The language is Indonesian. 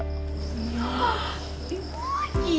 hah di boya